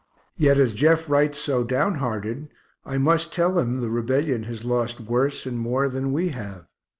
Yet as Jeff writes so downhearted I must tell him the Rebellion has lost worse and more than we have.